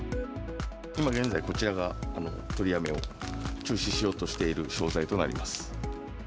今現在、こちらが取りやめを中止しようとしている商材となります。